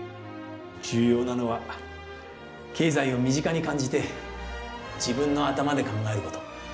重要なのは経済を身近に感じて自分の頭で考えること。